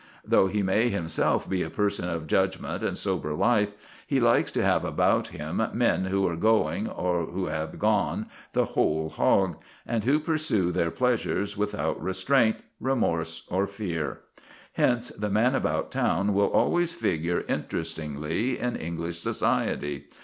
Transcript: Though he may himself be a person of judgment and sober life, he likes to have about him men who are going or who have gone the whole hog, and who pursue their pleasures without restraint, remorse, or fear. Hence the man about town will always figure interestingly in English society.